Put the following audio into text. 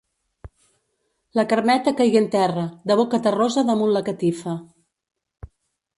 La Carmeta caigué en terra, de boca terrosa damunt la catifa.